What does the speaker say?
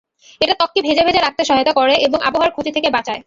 এটা ত্বককে ভেজা ভেজা রাখতে সহায়তা করে এবং আবহাওয়ার ক্ষতি থেকে বাঁচায়।